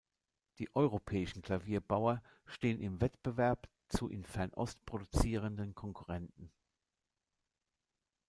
Die europäischen Klavierbauer stehen in Wettbewerb zu in Fernost produzierenden Konkurrenten.